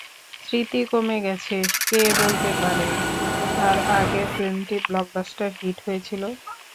সৃতি কমে গেছে, কে বলতে পারে তার আগের ফিল্মটি ব্লকবাস্টার হিট হয়েছিল?